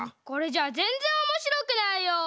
これじゃあぜんぜんおもしろくないよ。